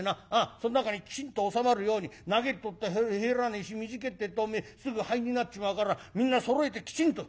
その中にきちんと収まるように長えてっと入らねえし短えてっとおめえすぐ灰になっちまうからみんなそろえてきちんと。